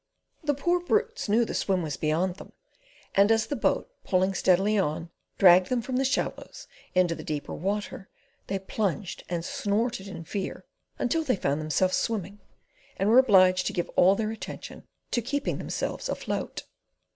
The poor brutes knew the swim was beyond them; and as the boat, pulling steadily on, dragged them from the shallows into the deeper water, they plunged and snorted in fear, until they found themselves swimming, and were obliged to give all their attention to keeping themselves afloat.